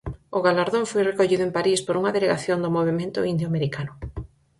O galardón foi recollido en París por unha delegación do Movemento Indio Americano.